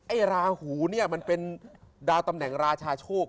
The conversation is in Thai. ราหูเนี่ยมันเป็นดาวตำแหน่งราชาโชค